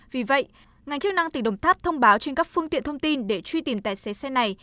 vì vậy ngành chức năng tỉnh đồng tháp thông báo trên các phương tiện thông tin để truy tìm tài xế xe này